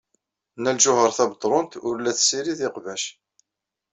Nna Lǧuheṛ Tabetṛunt ur la tessirid iqbac.